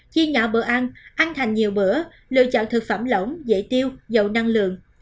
chi nhỏ bữa ăn ăn thành nhiều bữa lựa chọn thực phẩm lỏng dễ tiêu dầu năng lượng